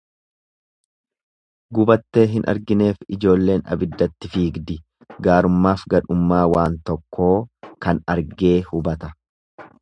Gubattee hin argineef ijoolleen abiddatti fiigdi Gaarummaaf gadhummaa waan tokkoo kan argee hubata.